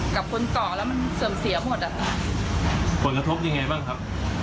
กับคนเกาะแล้วมันเสริมเสียหมดผลกระทบยังไงบ้างครับ